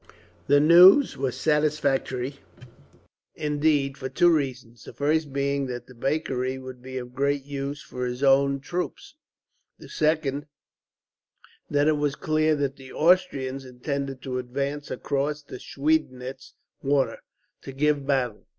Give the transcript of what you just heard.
The news was satisfactory, indeed, for two reasons: the first being that the bakery would be of great use for his own troops; the second, that it was clear that the Austrians intended to advance across the Schweidnitz Water to give battle.